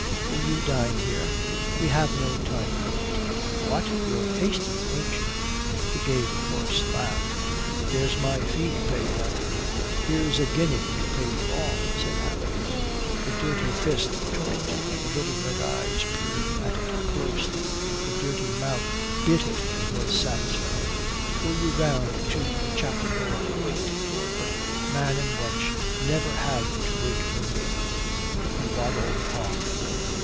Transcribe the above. Do you dine here?" "We have no time for it." "What, you're hasty, ain't you?" He gave a hoarse laugh. "There's my fee to pay then." "Here's a guinea to pay for all," said Harry. The dirty fist took it, the little red eyes peered at it closely, the dirty mouth bit it and was satisfied. "Go you round to the chapel door and wait. Lord, but man and wench never had to wait for me." He waddled off.